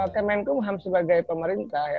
kemenkum ham sebagai pemerintah